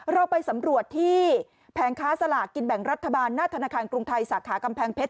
เราไปสำรวจที่แผงค้าสลากกินแบ่งรัฐบาลหน้าธนาคารกรุงไทยสาขากำแพงเพชร